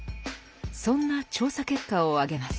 そんな調査結果を挙げます。